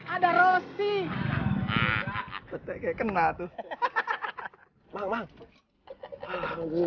ada rosi kena tuh